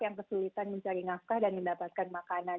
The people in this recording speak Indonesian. yang kesulitan mencari nafkah dan mendapatkan makanan